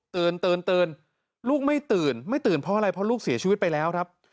ตื่นตื่นลูกไม่ตื่นไม่ตื่นเพราะอะไรเพราะลูกเสียชีวิตไปแล้วครับ